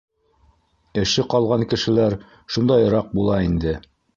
Эше ҡалған кешеләр шундайыраҡ була инде.